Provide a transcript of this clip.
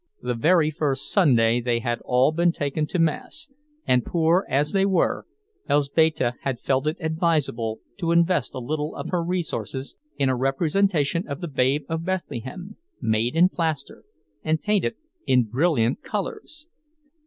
The very first Sunday they had all been taken to mass; and poor as they were, Elzbieta had felt it advisable to invest a little of her resources in a representation of the babe of Bethlehem, made in plaster, and painted in brilliant colors.